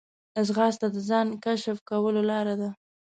ځغاسته د ځان کشف کولو لاره ده